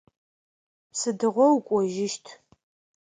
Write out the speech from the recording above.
Сыдыгъо укӏожьыщт?